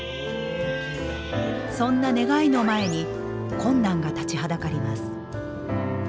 そんな願いの前に困難が立ちはだかります。